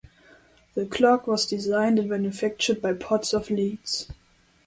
The clock was designed and manufactured by Potts of Leeds.